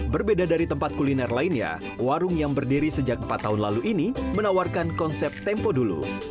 berbeda dari tempat kuliner lainnya warung yang berdiri sejak empat tahun lalu ini menawarkan konsep tempo dulu